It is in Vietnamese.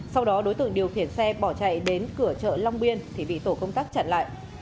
sau đó đối tượng điều khiển xe bỏ chạy đến cửa chợ long biên thì bị tổ công tác chặn lại